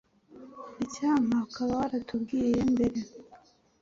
Icyampa ukaba waratubwiye mbere.